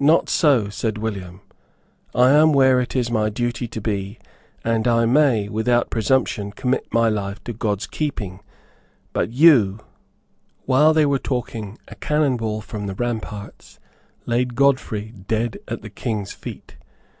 "Not so," said William; "I am where it is my duty to be; and I may without presumption commit my life to God's keeping; but you " While they were talking a cannon ball from the ramparts laid Godfrey dead at the King's feet.